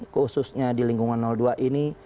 khususnya di lingkungan dua ini